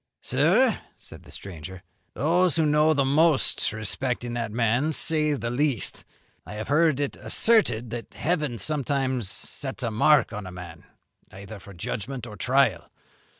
"Sir," said the stranger, "those who know the most respecting that man say the least. I have heard it asserted that heaven sometimes sets a mark on a man, either for judgment or trial.